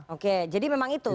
oke jadi memang itu